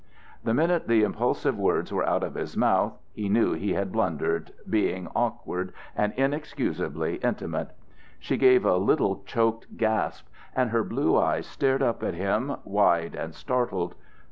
The minute the impulsive words were out of his mouth, he knew he had blundered, been awkward, and inexcusably intimate. She gave a little choked gasp, and her blue eyes stared up at him, wide and startled.